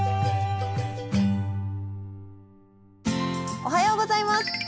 おはようございます。